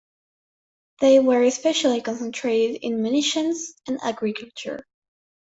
They were especially concentrated in munitions and agriculture.